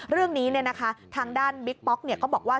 เรื่องนี้เนี่ยนะคะทางด้านบิ๊กป๊อกก็บอกว่า